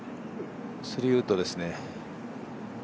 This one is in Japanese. ３ウッドですね。